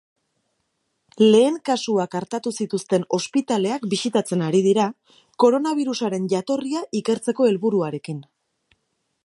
Lehen kasuak artatu zituzten ospitaleak bisitatzen ari dira, koronabirusaren jatorria ikertzeko helburuarekin.